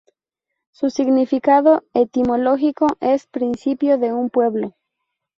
Su significado etimológico es "principio de un pueblo".